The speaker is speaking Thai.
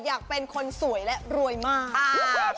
อยากเป็นคนสวยและรวยมาก